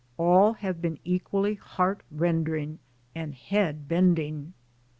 All have been equally heart rending and head bending.